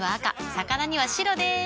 魚には白でーす。